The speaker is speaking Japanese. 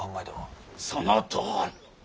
そのとおり。